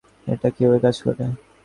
আমাকে দেখাবে এটা কীভাবে কাজ করে?